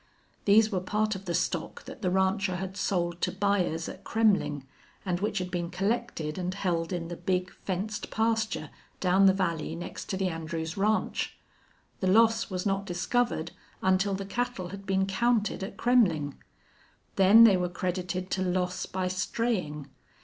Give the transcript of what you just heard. These were part of the stock that the rancher had sold to buyers at Kremmling, and which had been collected and held in the big, fenced pasture down the valley next to the Andrews ranch. The loss was not discovered until the cattle had been counted at Kremmling. Then they were credited to loss by straying.